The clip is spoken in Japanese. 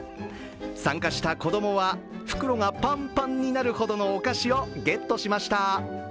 参加した子供は袋がパンパンになるほどのお菓子をゲットしました。